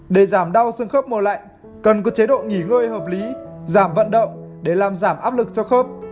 để giảm đau xương khớp mùa lạnh cần có chế độ nghỉ ngơi hợp lý giảm vận động để làm giảm áp lực cho khớp